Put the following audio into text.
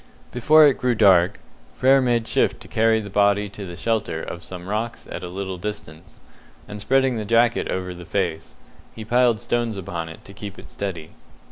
Before it grew dark, Frere made shift to carry the body to the shelter of some rocks at a little distance, and spreading the jacket over the face, he piled stones upon it to keep it steady.